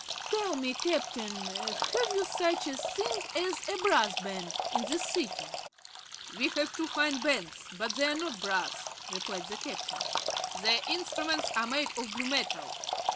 "Tell me, Captain, have you such a thing as a Brass Band in this City?" "We have two fine bands, but they are not brass," replied the Captain. "Their instruments are made of blue metal."